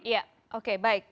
ya oke baik